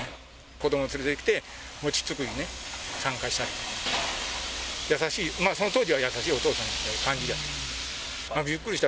子ども連れてきて、餅つきに参加したり、優しい、その当時は優しいお父さんという感じだった。